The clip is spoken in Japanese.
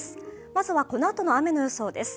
まずはこのあとの雨の予想です。